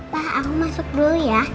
pak aku masuk dulu ya